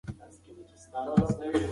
شپه به کله پای ته ورسیږي؟